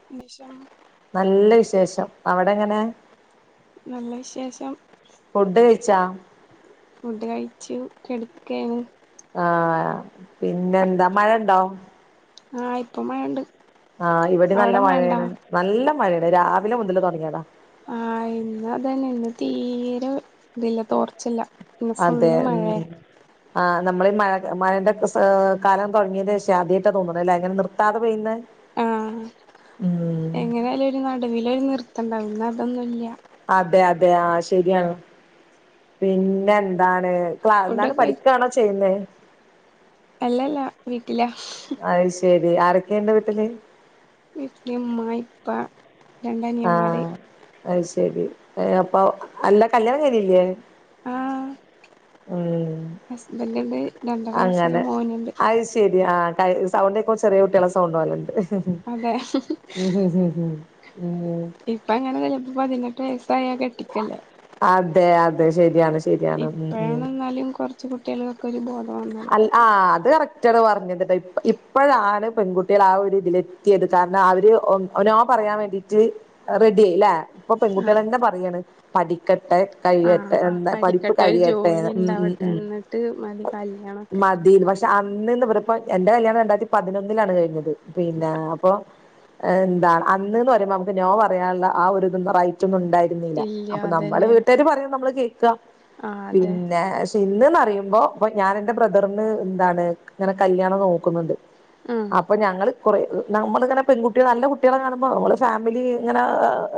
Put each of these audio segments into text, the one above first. [unintelligible] നല്ല വിശേഷം അവിടെങ്ങനെ നല്ല വിശേഷം ഫുഡ് കഴിച്ചോ ഫുഡ് കഴിച്ചു കെടക്കാണ് ആഹ് പിന്നെന്താ മഴണ്ടോ ആഹ് ഇപ്പ മഴ ഉണ്ട് ആഹ് ഇവിടെ നല്ല മഴയാണ് നല്ല മഴയാണ് രാവിലെ മുതല് തുടങ്ങിയതാ ആഹ് ഇന്ന് അതന്നെ ഇന്ന് തീരെ ഇതില്ല തോർച്ചല്ല ഇന്ന് അതെ ഫുള്ള് ഉം മഴേ ആഹ് നമ്മൾ ഈ മഴ മഴന്റെ കാലം തുടങ്ങിന്റെ ശേഷേ ആദ്യായിട്ട തോന്നണല്ലെ ഇങ്ങനെ നിർത്താതെ പെയ്യണെ ആഹ്. എങ്ങനായാലും നടുവിലൊരു നിർത്തണ്ടാവും ഇന്ന് അതൊന്നുല്ല. അതെ അതെ ആഹ് ശരിയാണ്. പിന്നെ എന്താണ് ക്ലാ എന്താണ് ഫുഡൊക്കെ കഴി പഠിക്കാണോ ചെയ്യുന്നേ? അല്ലല്ല വീട്ടിലാ. അഹ് ശെരി. ആരൊക്കെ ണ്ട് വീട്ടില്? വീട്ടില് ഇമ്മ, ഇപ്പ, രണ്ടനിയന്മാര് ആഹ് അഹ് ശരി. അപ്പം അല്ല കല്യാണം കഴിഞ്ഞില്ലേ? ഉം ഹസ്ബൻന്റ്ണ്ട്, രണ്ടര വയസ്സായ അങ്ങനെ മോന് ണ്ട്. അത് ശരി. ആഹ് കയ് സൗണ്ട് കേക്കുമ്പം ചെറിയ കുട്ട്യാളെ സൗണ്ട് പോലണ്ട്. അതെ ഉം ഇപ്പം അങ്ങനോന്ന്ല്ല. ഇപ്പം പതിനെട്ട് വയസ്സായ കെട്ടിക്കല്ലേ. അതെ അതെയ ശരിയാണ് ശരിയാണ്. ഉം ഉം ന്നാലും കൊർച്ച് കുട്ടികൾക്കൊക്കെ ഒരു ബോധം വന്നല്ലോ. ആഹ് അത് കറക്റ്റ് ആണ് പറഞ്ഞത്ട്ടോ. ഇപ് ഇപ്പഴാണ് പെൺകുട്ടികള് ആ ഒരു ഇതിൽ എത് ത്തിയത് കാരണം അവര് ഒം നോ പറയാൻ വേണ്ടീട്ട് റെഡി ആയില്ലേ. ഇപ്പം ആഹ് പെൺകുട്ടിയേളെന്നെ പറയാണ്. പഠിക്കട്ടെ കഴിയട്ടെ ആഹ് എന്താ പഠിപ്പ് കഴിയട്ടെന്ന്. ഉം ഉം ഉം ട്ട് മതി കല്യാണം മതിന്ന് പക്ഷെ അന്ന് ഇന്നവര്പ്പോ ഇന്റെ കല്യാണം രണ്ടായിരത്തി പതിനൊന്നിലാണ് കഴിഞ്ഞത് പിന്നെ അപ്പൊ എന്താണ് അന്ന് ന്ന് പറയുമ്പം നമുക്ക് നോ പറയാനുള്ള ആ ഒരു ഇതൊന്നും റൈറ്റ് ഒന്നും ഉണ്ടായി രുന്നീല. ഇല്ല അപ്പൊ നമ്മളെ അതന്നെ വീട്ടാര് പറയും നമ്മള് കേക്കാ. ആഹ് അതെ പിന്നെ സ് ഇന്ന് ന്ന് പറയുമ്പോ ഇപ്പൊ ഞാൻ എന്റെ ബ്രദറിന് എന്താണ് ഇങ്ങനെ കല്യാണം നോക്കുന്നുണ്ട്. ആഹ് അപ്പം ഞങ്ങള് കൊറെ നമ്മളിങ്ങനെ പെൺകുട്ടിക നല്ല കുട്ടികളെ കാണുമ്പം നമ്മള് ഫാമിലി ഇങ്ങനെ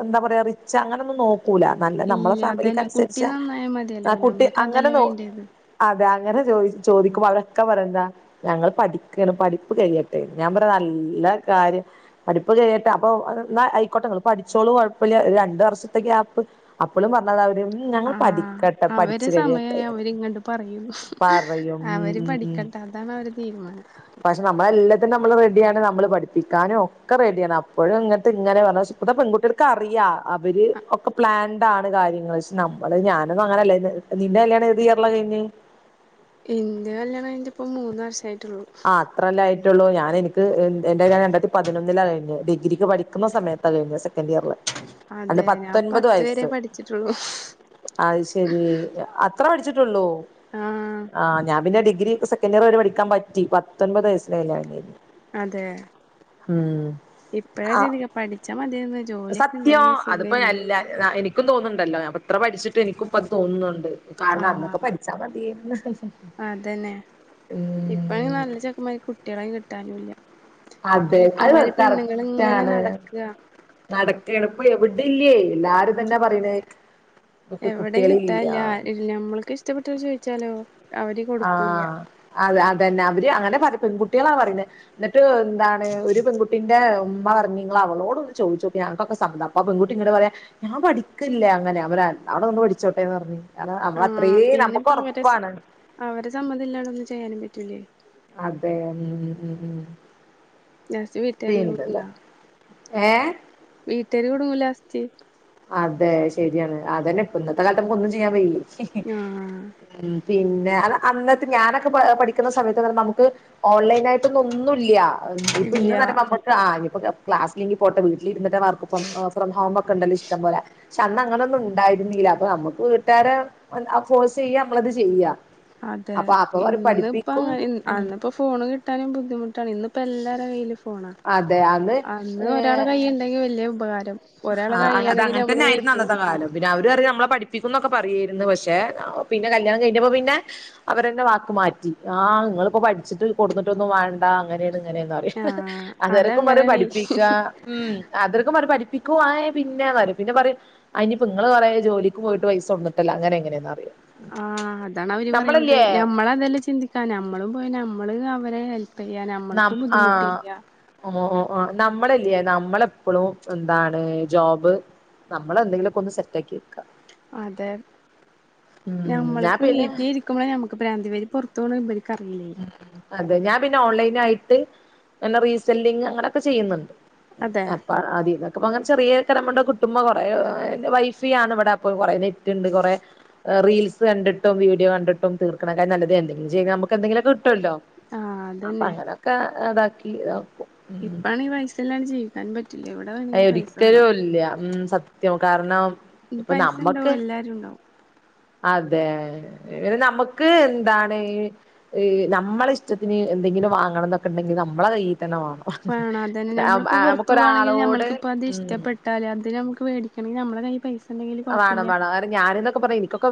എന്താ പറയാ റിച്ച് അങ്ങനൊന്നും നോ ക്കൂല്ല. നല്ല നമ്മളെ ഇല്ല അതന്നെ കുട്ടി ഫാമിലിക്കനുസരിച്ച നന്നായാ ആ മതിയല്ലോ കുട്ടി നമ്മൾക്ക് അങ്ങനെ അതല്ലേ നോ വേണ്ടിയത് അതെ അങ്ങനെ ചോയി ചോദിക്കുമ്പം അവരൊക്കെ പറയെന്താ ഞങ്ങൾ പഠിക്കാണ്. പഠിപ്പ് കയ്യട്ടെ ന്ന്. ഞാൻ പറയാ നല്ല കാര്യം പഠിപ്പ് കയിയട്ടെ അപ്പൊ ന്നാ അയിക്കോട്ടെ ങ്ങള് പഠിച്ചോളൂ കൊയപ്പല്ല ഒര് രണ്ടു വർഷത്തെ ഗ്യാപ്പ് അപ്പളും പറഞ്ഞതാ അവര് ഞങ്ങൾ ആഹ് പഠിക്കട്ടെ അവരെ പഠിച്ചു കഴിയട്ടെ സമയായാ അവരിങ്ങണ്ട് പറയും. പറയും ഉം അവര് ഉം ഉം പഠിക്കട്ടെ അതാണവരെ തീരുമാനം. പക്ഷെ നമ്മളെല്ലത്തിനും നമ്മള് റെഡിയാണ്. നമ്മള് പഠിപ്പിക്കാനും ഒക്കെ റെഡിയാണ് അപ്പോഴും ഇങ്ങട്ട് ഇങ്ങനെ പറഞ്ഞെ ഇപ്പത്തെ പെൺകുട്ടികൾക്ക് അറിയാം അവര് ഒക്കെ പ്ലാൻഡാണ് കാര്യങ്ങള്. ശേ നമ്മള് ഞാനൊന്നും അങ്ങനല്ലേന്ന് നിന്റെ കല്യാണം ഏത് ഇയർലാ കഴിഞ്ഞെ? ഇന്റെ കല്യാണം കഴിഞ്ഞ് ട്ടിപ്പം മൂന്ന് വർഷായിട്ടൊള്ളു. അത്രല്ലായിട്ടൊള്ളൂ. ഞാന് ഇൻക്ക് എഹ് എന്റല്യാണം രണ്ടായിത്തി പതിനൊന്നിലാ കഴിഞ്ഞെ. ഡിഗ്രിക്ക് പഠി ക്കുന്ന സമയത്താ കഴിഞ്ഞെ. സെക്കൻ്റിയർല്. അതെ ഞാൻ പത്ത് വരെ പഠിച്ചിട്ടുള്ളു. അത് ശെരി അത്ര പഠിച്ചിട്ടുള്ളൂ. ആഹ് ഞാൻ പിന്നെ ഡിഗ്രി സെ ക്കൻ്റിയറ് വരെ പഠിക്കാൻ പറ്റി. പത്തൊൻപത് വയസ്സിലാ കല്യാണം കഴിഞ്ഞെ. അതെ. ഇപ്പഴാ ചിന്തിക്കാ പഠിച്ചാ മതിയെന്നു സത്യോം. അതിപ്പോ അല്ല എനിക്കും തോന്ന്ണ്ടല്ലോ ഞാൻ ഇത്ര പഠിച്ചിട്ടും എനിക്കും ഇപ്പത് തോന്നുന്നുണ്ട്. കാരണം അന്നൊക്കെ ആഹ് പഠിച്ചാ മതിയേര്ന്ന്. ഇപ്പെ അയ്നു നല്ല ചെക്കന്മാർക്ക് കുട്ടിയേളെ കിട്ടാനുംല്ല. അതെ. അത് സത് ഇങ്ങനെ കററ്റാണ്. നടക്കാ നടക്കാണ് ഇപ്പെ എവിടീല്ലേ എല്ലാരും ഇതന്നെ പറയ്ണത്. ഇന്ന്പ്പ കുട്ടിയേളില്ല ഞമ്മൾക്ക് ഇഷ്ടപ്പെട്ടത് ചോദിച്ചാലോ അവര് കൊടുക്കൂല്ല ആഹ അത അതന്നെ അവര് അങ്ങനെ പറിം പെൺകുട്ടികളാ പറയുന്നത് എന്നിട്ട് എന്താണ് ഒരു പെൺകുട്ടിന്റെ ഉമ്മ പറഞ്ഞ് ഇങ്ങൾ അവളോട് ഒന്ന് ചോദിച്ച് നോക്കി ഞങ്ങക്കൊക്കെ സമ്മത അപ്പ ആ പെൺകുട്ടി ഇങ്ങട് പറയാ ഞാൻ പഠിക്കല്ലേ അങ്ങനെ അവര് അവിടെന്ന് പഠിച്ചോട്ടേന്ന് പറഞ്ഞഞ് കാരണം നമ്മള് ആഹ് അത്രയും പിന്നെ നമ്മക്ക് ഇപ്പ അവരെ ഉറപ്പാണ് അവരെ സമ്മതം ഇല്ലാതൊന്നും ചെയ്യാനും പറ്റൂലേ അതെ ഉം ഉം ഉം ലാസ്റ്റ് [unintelligible] [inaudible] ഏ വീട്ടാര് കുടുങ്ങും ലാസ്റ്റ് അതെ ശരിയാണ് അതന്നെ ഇപ്പൊ ഇന്നത്തെ കാലത്ത് നമുക്ക് ഒന്നും ചെയ്യാൻ വെയ്യായ് ഉ ആഹ് പിന്നെ അ അന്നത്തെ ഞാനൊക്കെ പഠിക്കുന്ന സമയത്ത്ന്ന് പറയുമ്പോ നമുക്ക് ഓൺലൈനായിട്ടൊന്നും ഒന്നുല്ല്യ ഇപ്പൊ ഇല്ല ഇന്ന്ന്നറിമ്പോ നമുക്ക് ആ ക്ലാസ് ഇല്ലെങ്കിൽ പോട്ടെ വീട്ടിൽ ഇരിന്ന്ട്ട് വർക്ക് ഫ്രം ഹോം ഒക്കെ ഇണ്ടല്ല ഇഷ് പക്ഷെ അന്ന് അങ്ങന ഒന്നും ഉണ്ടായിരുന്നീല്ല അപ്പൊ നമ്മുക്ക് വീട്ടാരെ ഫോഴ്സ് ചെയ്യ നമ്മളത് ചെയ്യാ അതെ ഇന്നിപ്പ അങ്ങനെ ഉം അന്നിപ്പൊ ഫോണ് കിട്ടാനും ബുദ്ധിമുട്ടാണ് ഇന്നിപ്പോ എല്ലാരെ കയ്യിലും ഫോണാണ് അന്ന് ഒരാള കൈ വലിയ ഉപകാരം ഒരാൾ ആഹ് അത് കഴിയണെങ്കിൽ അങ്ങനെ നമ്മള് തന്നെ വെയിറ്റ് ആയിരുന്നു അന്നത്തെ ചെയ്ത്ക്കണം കാലം പിന്നെ അവുര് പറിയും നമ്മളെ പഠിപ്പിക്കുന്നൊക്കെ പറയേരുന്നു പക്ഷേ പിന്നെ കല്യാണം കഴിഞ്ഞപ്പോ പിന്നെ അവരന്നെ വാക്ക് മാറ്റി ആ ഇങ്ങളിപ്പോ പഠിച്ചിട്ട് കൊടുന്നിട്ടൊന്നും വേണ്ട അങ്ങനെയാണ് ഇങ്ങനെയന്ന് ആഹ് അന്നേരൊക്കെ പറയും അതങ്ങനാണേ പഠിപ്പിക്ക ഉം അതൊരെക്കെ പറയും പഠിപ്പിക്ക ആ പിന്നെ പറും പിന്നെ പറയും അയ്നിപ്പ ഇങ്ങള് കൊറെ ജോലിക്ക്‌ പോയിട്ട് പൈസകൊട്ന്നട്ടല്ലേ അങ്ങനെ ഇങ്ങനെന്ന് പറിയും ആ അതാണ് അവര് പറിയണത് നമ്മളതല്ലേ ചിന്തിക്കാ നമ്മളും പോയി നമ്മള് അവരെ ഹെൽ പ്പ് ചെയ്യാന് നമ്മൾക്കും ബുദ്ധിമുട്ടില്ല. ഓ ഓ നമ്മളെല്ലേ നമ്മളെപ്പളും എന്താണ് ജോബ് നമ്മളെന്തെങ്കിലൊക്കെ ഒന്ന് സെറ്റാക്കി വെക്ക. അതെ ഉം ഞാൻ ഞമ്മൾക്ക് പിന്നെ വീട്ടിര് ക്കുമ്പളെ നമുക്ക് പ്രാന്ത് വെരും ഇവര് പൊറത്ത് പോണ് ഇവർക്ക് അറിയില്ലേ അതെ ഞാൻ പിന്നെ ഓൺലൈൻ ആയിട്ട് ഇങ്ങനെ റീസെല്ലിങ് അങ്ങനെയൊക്കെ ചെയ്യുന്നുണ്ട് അതെ അപ്പ അതീന്നൊക്കെ ഇപ്പ അങ്ങനെ ചെറിയ ഒക്കെ ഒരു എമൗണ്ട് ഒക്കെ കുട്ടുമ്പ കൊറേ വൈഫി ആണ് ഇവിടെ അപ്പ കുറ നേ ണ്ട് കുറേ റീൽസ് കണ്ടിട്ടും വീഡിയോ കണ്ടിട്ടും തീർക്കണെക്കായി നല്ലത് എന്തെങ്കിലും ചെയ്യ്ത് നമുക്ക്. എന്തെങ്കിലൊക്കെ കിട്ടുല്ലോ ആഹ് അപ്പൊ അതന്നെ അങ്ങനെയൊക്കെ ഇതാക്കി. ഉം ഇപ്പാണെങ്കി പൈസ ഇല്ലാണ്ട് ജീവിക്കാനും പറ്റില്ല എവിടെ അയി വേണെങ്കിലും പൈസ വേണം ഒരിക്കലും ഇല്ല ഉം സത്യം സത്യം കാരണം ഇനി ഇപ്പൊ പൈസ ഉണ്ടാവും നമ്മക്ക്. എല്ലാരും ഉണ്ടാവും അതെ നമുക്ക് എന്താണ്. നമ്മളെ ഇഷ്ടത്തിന് എന്തെങ്കിലും വാങ്ങണം ഇന്നൊക്കെണ്ടെങ്കിൽ നമ്മളെ കയ്യിൽ തന്നെ അതന്നെ വേണം. നമ്മളിപ്പോ നമുക്കൊരാളോട് ഉം. കല്യാണത്തിന് നമുക്ക് വേടിക്കെണെങ്കിൽ നമ്മളെ കയ്യിൽ പൈസ കിട്ടാ. ആ വാണം വാണം ഞാനിന്നൊക്കെ പറഞ്ഞ ഇനിക്കൊക്കെ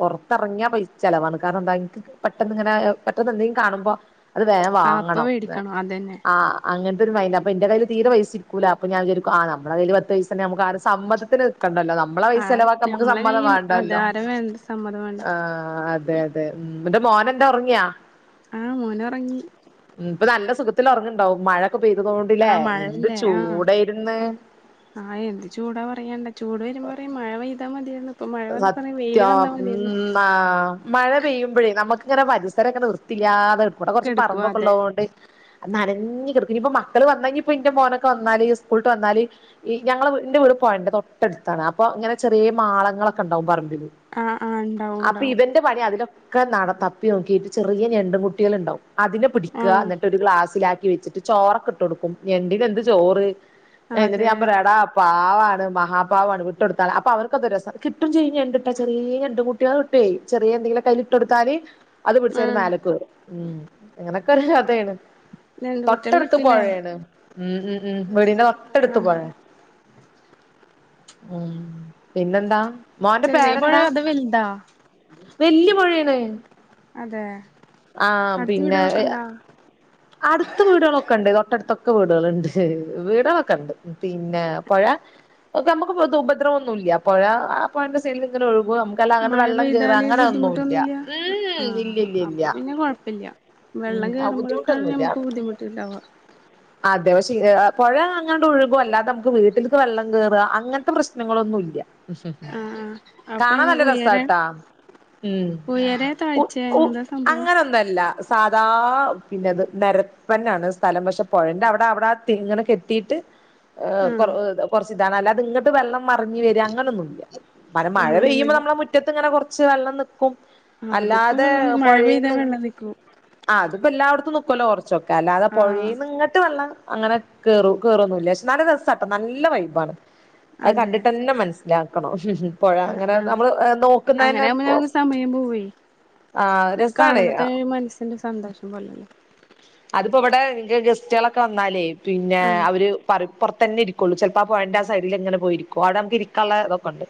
പുറത്തറങ്ങിയ പൈസ ചിലവാണ് കാരണം എന്താ ഇനിക്ക് പെട്ടെന്ന് ഇങ്ങനെ പെട്ടെന്ന് എന്തെങ്കിലും കാണുമ്പോ അത് വേം ആ അപ്പൊ വാങ്ങണം മേടിക്കണം അതന്നെ ആ അങ്ങനത്തെ ഒരു മൈന്റ് അപ്പ ഇന്റെ കൈല് തീരെ പൈസിക്കൂല അപ്പ ഞാൻ വിചാരിക്കും ആ നമ്മുടെ കയ്യിൽ പത്ത് പൈസണ്ടെങ്കി തന്ന നമുക്ക് ആരേം സമ്മതത്തിന് നിക്കണ്ടല്ലോ. നമ്മളെ ആ പൈസ ചെലവാക്കാൻ നമുക്ക് നമ്മളെ സമ്മതം കയ്യിൽ വേണ്ടല്ലോ അധാരം വേണ്ട സമ്മതം വേണ്ട ആ അതെ തെ ന്നിട്ട് മോനെന്താ ഉറങ്ങിയാ. ആഹ് മോന് ഉറങ്ങി. ഇപ്പൊ നല്ല സുഖത്തിൽ ഉറങ്ങ്ണ്ടാവും മഴൊക്കെ ആ പെയ്തതോണ്ട്ല്ലേ എന്ത്‌ ചൂടേര്ന്ന്. ആഹ് എന്ത് ചൂടാ പറയണ്ട ചൂട് വരുമ്പോ പറയും മഴ പെയ്താ മതിയന്ന് ഇപ്പ മഴ. വന്നപ്പോ സത്യം പറയും വെയില് വന്നാ മതിയായിരുന്നു ഉം ആഹ്. മഴ പെയ്യുമ്പോഴേ നമുക്ക് ഇങ്ങനെ പരിസര ഇങ്ങനെ വൃത്തില്ലാതെ ഇവിടെ കുറച്ച് കെടുക്കുവാ അതെ പറമ്പൊക്കെള്ളതോണ്ട്. നനഞ്ഞ കടക്കുംഇനിപ്പ മക്കള് വന്നാഇപ്പ ഇന്റെ മോനൊക്കെ വന്നല് സ്കൂൾട്ട് വന്നാല്. ഈ ഞങ്ങളെ ന്റെ വീട് പോഴന്റെ തൊട്ടടുത്താണ് അപ്പൊ ഇങ്ങനെ ചെറിയ മാളങ്ങള ഇണ്ടാവും പറമ്പിൽ ആ ആ ഉണ്ടാവും അപ്പ ഉണ്ടാവും ഇവര്. എന്റെ പണി അതിലൊക്കെ നട തപ്പി നോക്കിയിട്ട് ചെറിയ ഞണ്ട് കുട്ടികൾ ഉണ്ടാവും. അതിനെ ആ പിടിക്കഎന്നിട്ട് ഒരു ഗ്ലാസ്സിലാക്കി വെച്ചിട്ട് ചോറൊക്കെ ഇട്ട് കൊടുക്കും ഞണ്ടിനെന്ത് ചോറ്. എന്നിട്ട് അതെ ഞാൻ പറയും എടാ പാവാണ് മഹാപാവാണ് വിട്ടൊടുത്തളാ അപ്പോഅവർക്കത് രസ കിട്ടും ചെയ്യുംഞണ്ട്ട്ടാൽ ചെറിയ ഞണ്ട് കുട്ടികളെ കിട്ടുയ് ചെറിയ എന്തെങ്കിലും അയില്ല് ഇട്ടുകൊടുതാല്ല്. അത് പിടിച്ച ആ ഓർ മേലക്ക് കേറും അങ്ങനൊക്കെ ഒരു കഥയാണ്. രണ്ട് കുട്ടികൾ തൊട്ടെടുത്ത് കിട്ടില്ലേ പൊഴയാണ് ഉം ഉം വീടിന്റെ തൊട്ടടുത്ത് പോഴേ. ഉം പിന്നെന്താ. മോന്റെ ചെറിയപൊഴ പേരെന്താ അത് വല്താ? വല്യ പുഴയാണ് അതെ ആ അടുത്ത പിന്നെ വീടുകളൊക്കെ ണ്ടോ? അടുത്ത വീടുകളൊക്കെ ഉണ്ട് തൊട്ടടുത്തൊക്കെ വീടുകൾണ്ട് വീടുകളൊക്കെ ഉണ്ട്. പിന്നെ പൊഴാ. നമുക്ക് ഉപദ്രവന്നുല്ല പൊഴാ പോഴ ടെസൈഡിൽങ്ങനെ ഒഴുകും നമുക്ക് മഴ പെയ്താല് ബുദ്ധിമുട്ടൊന്നുല്ല ഉം ആ ഇല്ല ആ ഇല്ല ഇല്ല അപ്പൊ പിന്നെ കൊഴപ്പില്ല. ഉം വെള്ളം കയറുമ്പോഴൊക്കെയാണ് ബുദ്ധിമുട്ടൊന്നുല്ല നമക്ക് ബുദ്ധിമുട്ടിണ്ടാവ. അതെ പക്ഷേ പുഴ അങ്ങനെ ഒഴുകും അല്ലാതെ നമുക്ക് വീട്ടിലേക്ക് വെള്ളം കയറ അങ്ങനത്തെ പ്രശ്നങ്ങളൊന്നും ഇല്ല. ആഹ് അപ്പൊ ഉംകാണാൻ നല്ല ഉയരെ രസട്ടാ. ഉം ഉയരെ ഉ താഴ്ചെ ഉ എന്താ സംഭവം അങ്ങനൊന്നല്ല. സാധാ പിന്നെത് നേര പ്പന്നാണ് സ്ഥലം പക്ഷെ പുഴന്റെ അവിടെ അവിടെ തിങ്‌ന്ന്ക്കെട്ടീയിട്ട് ആഹ് കുറച്ച് ഇതാണ് അല്ലാതെ ഇങ്ങട്ട് വെള്ളം മറിഞ്ഞഞ് വരുക അങ്ങനെൊന്നു ഇല്ല മന മഴ പെയ്യുമ്പോ അങ്ങനൊന്നുല്ല നമ്മളെ മുറ്റത്ത് ഇങ്ങെ കുറച്ച് വെള്ളം നിക്കും അല്ലാതെ പുഴേന്ന് നിക്കൊ ആഹ അതിപ്പോ എല്ലായിടത്തും നിക്കുവല്ലോ കൊറച്ചൊക്കെ അല്ലാതെ ആഹ് പുഴേന്ന് ഇങ്ങട്ട് വെള്ളം അങ്ങനെ കേറ കേറൊന്നില്ല പക്ഷെ നല്ല രസാട്ട നല്ല വൈബ്ആണ് അത് അതെ കണ്ടിട്ട് തന്നെ മനസ് ലാക്കണം പുഴ ആഹ് അങ്ങനെ ആഹ് നമ്മള് അങ്ങനെ നോക്കുന്നന്നെ ആകുമ്പോ നമുക്ക് സമയം പോവേ ആഹ രസാണെ ന്റെ സന്തോഷം കൊണ്ടന്നേ അതിപ്പോ ഇവിടെ നിക്ക് ഗെസ്റ്റുകളൊക്കെ വന്നാലേ പിന്നെ ആഹ് അവര് പറിം പുറത്തു തന്നെ ഇരിക്കൊള്ളൂ ചിലപ്പോ ആ പോഴന്റെ ആഹ സൈഡിൽ ഇങ്ങനെ പോയിരിക്കും ആടെ നമുക്ക് ഇരിക്കാനുള്ളതൊക്ക ഉണ്ട്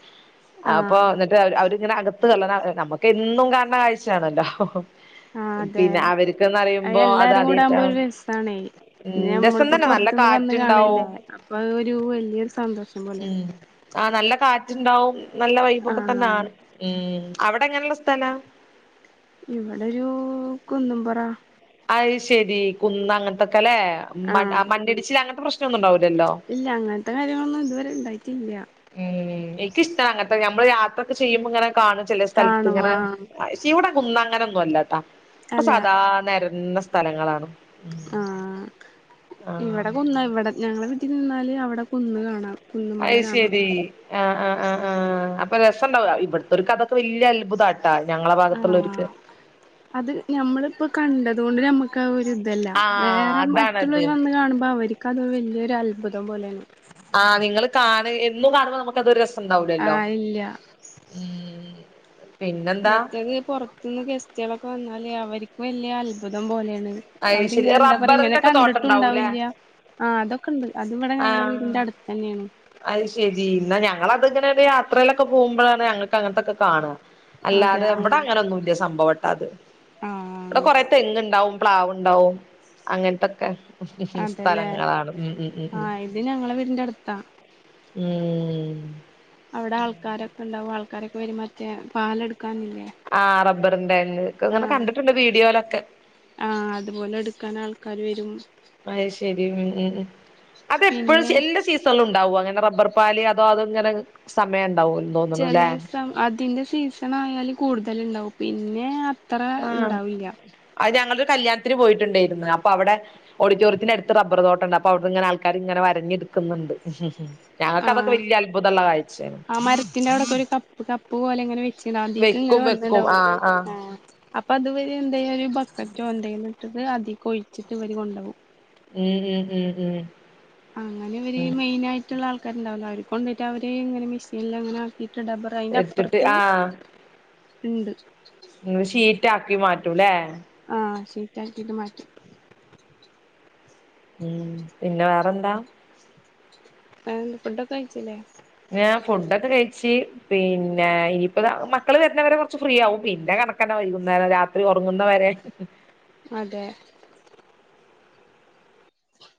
അപ്പൊ ആഹ് എന്നിട്ട് അവരിങ്ങനെ അകത്ത് കള്ളണം നമുക്ക് എന്നും കാണണ കാഴ്ചയാണല്ലോ ആഹ അതെ പിന്നെ അവർക്ക്ന്ന് പറയുമ്പോ അത് എല്ലാരും കൂടെ ആകുമ്പോ ആദ്യായിട്ടാണ് ഒരു രസണേ പിന്ന ഉം രസം നമ്മളിപ്പോ തന്നെ നല്ല പുറത്തുന്ന് വന്ന് കാണല്ലേ കാറ്റുണ്ടാവും അപ്പൊ ഒരു വല്യൊരു സന്തോഷം പോലെ ആഹ നല്ല കാറ്റുണ്ടാവും നല്ല വൈബ്ഒക്കെ തന്നെ ആഹ് ആണ് ഉമ് അവിടെ എങ്ങനെയുള്ള സ്ഥലാ ഇവിടോരു കുന്നുംപൊറാ അത് ശെരി കുന്ന അങ്ങനത്തെക്കെ അല്ലെ ആഹ് മണ്ണിടിച്ചിൽ അങ്ങനത്തെ പ്രശ്നം ഒന്നും ഉണ്ടാവില്ലല്ലോ ഇല്ല അങ്ങനത്തെ കാര്യങ്ങളൊന്നും ഇതുവരെ ഉണ്ടായിട്ടില്ല ഉംമ് എനിക്കിഷ്ടമാണ് അങ്ങനത്തെ ഞമ്മള് യാത്രൊക്കെ ചെയ്യുമ്പോ ഇങ്ങനെ കാണും ചെലെ സ്ഥലത്ത് കാണും ഇങ്ങനെ ആഹ് ഇവിടെ കുന്ന അങ്ങനൊന്നും അല്ലാട്ടാ ഒക്കെ അല്ല സാദാ നിരന്ന സ്ഥലങ്ങളാണ് ആഹ് ആഹ് ഇവിടെ കുന്ന ഞങ്ങളുടെ വീട്ടിൽ നിന്നാൽ അവിടെ കുന്ന് കാണാം അ കുന്നുമല കാണാം ശരി ആഹ ആഹ ആഹ അപ്പൊ രസംണ്ടാവും ഇവിടത്തോൽക്ക് അതൊക്കെ വല്യ അത്ഭുത ഞങ്ങളുടെ ഭാഗത്തുള്ള ആഹ് ഓര്ക്ക് അത് ഞമ്മളി ഇപ്പോ കണ്ടതുകൊണ്ട് നമുക്ക് ആ ഒരു ആഹ് വേറെ അതാണത് മറ്റുള്ളവർ വന്ന് കാണുമ്പോ അവർക്ക് അത് വലിയൊരു അത്ഭുതം പോലെയാണ് ആഹാ നിങ്ങള് കാണ് എന്നും കാണുമ്പോ നമുക്ക് അതരു രസംഉണ്ടാവൂലല്ലോ ആഹ് ഇല്ല [unintelligible] മറ്റേത് പുറത്തുന്ന് ഗസ്റ്റുകളൊക്കെ വന്നാല് അവർക്ക് വല്യ അത്ഭുതം പോലെയാണ്. അത് ശരി അവരിങ്ങനെ എന്താ പറ ഇങ്ങനെ റബ്ബറിന്റെക്കെ തോട്ടണ്ടാവൂലേ കണ്ടിട്ടുംണ്ടാവില്ല. ആഹാ അതൊക്കണ്ട് അത് ഇവടെ ഞങ്ങളെ ആഹ് വീടിന്റെ അടുത്ത്ന്നെയാണ്. അത് ശെരി ന്നാഞങ്ങളഅത്ങ്ങനെ യാത്രയിലൊക്കെ പോവുമ്പളാണ്. ഞങ്ങൾക്ക് അങ്ങനത്തൊക്കെ കാണും അതെ അല്ലാതെ ഇവടെ ആഹ് അങ്ങനെ ഒന്നുംല്ല സംഭവട്ടാ അത് ഇവിടെ ആഹ് കൊറെ തെങ്‌ ഉണ്ടാവും പ്ലാവ്ണ്ടാവും അങ്ങൻത്തൊക്കെ ഹ് ഹ് സ്ഥലങ്ങളാണ്. ഉം ഉം ഉം ഉം ത്ഞങ്ങളെ വീടിന്റെ അടുത്താ. ഉഹും. അവടെ ആൾക്കാരൊക്കെണ്ടാവും ആൾക്കാരൊക്കെവരും മറ്റേ പാലെടുക്കാനില്ലേ? ആഹാ റബറിന്റെ ഒക്കെ ഇങ്ങനെ കണ്ടിട്ടുണ്ട് വീഡിയോലൊക്കെ. ആഹാ അതുപോലെട്ക്കാൻ ആൾക്കാര് വരും അത്ശരി ഉും ഉം ഉം സെ അതെപ്പോഴും പിന്നെ എല്ലാ സീ തൊലുണ്ടാവോ അങ്ങന റബറ് പാൽ അതോ അത് ഇങ്ങനെ സമയം ഉണ്ടാവുല്ലോ. ചെലെസം അതിന്റെ സീസണ് ആയാൽ കൂടുതല്ണ്ടാവും പിന്നെ അത്ര ആഹ് ഇണ്ടാവില്യാ അത് ഞങ്ങളൊരു കല്യാണത്തിന് പോയിട്ടുണ്ടായിരുന്ന് അപ്പൊ അവടെ ഓഡിറ്റോറത്തിനടുത് ബ്ബർതോട്ടണ്ട് അപ്പോഅവ്ട്ന്ന്ങ്ങനെ ആൾക്കാര് ഇങ്ങനെ വരഞ്ഞെട്ക്ക്ന്ന്ണ്ട്. ഞങ്ങക്ക് അതൊക്കെ വല്യാ അത്ഭുതള്ള കാഴ്ചാണ് ൻ്റഅവിടകോഒരു കപ്പ് കപ്പ് പോലെങ്ങെ വെച്ചിണ്ടാവും അതീക്ക് ഇങ്ങനെ വെക്കും വെക്കും വന്ന്ണ്ടാവും ആഹ് ആഹ് അപ്പൊഅത് വര് എന്തെയ്യ് ഒരു ബക്കറ്റോ എന്തെലുട്ടിട്ട് അതിക്ക് ഒഴിച്ചിട്ട് ഇവര് കൊണ്ടോവും ഹും ഹും ഹും അങ്ങനെ ഇവര് മെയിനായിട്ട്ള്ള ആൾക്കാരുണ്ടാവും അവര് കൊണ്ടോയിട്ട് അവര് ഇങ്ങനെ മെഷീനിലങ്ങനെ ആക്കിട്ട് ഡബർ അയിന്റെ എടുത്തിട്ട് അപ്പർത്തും ആഹ് ഇണ്ട്. ഇങ്ങള് ഷീറ്റാക്കി മാറ്റുലേ? ആഹാ ഷീറ്റാക്കിട്ട് മാറ്റും. ഉം പിന്നെ വേറെന്താ? വേറെന്ത് ഫുഡൊക്കെ കഴിച്ചിലേ? ഏാ ഫുഡൊക്കെ കഴിച്ച്. പിന്നെ ഇനിപ്പമക്കള് വരുന്നവരെ കുറച്ച് ഫ്രീആവും. പിന്നെ കണക്കന്നെ വൈകുന്നേരം രാത് ത്രി ഉറങ്ങുന്ന വരെ അതെ.